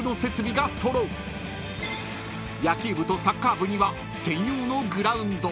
［野球部とサッカー部には専用のグラウンド］